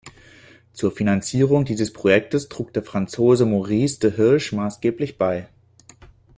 Zur Finanzierung dieses Projekts trug der Franzose Maurice de Hirsch maßgeblich bei.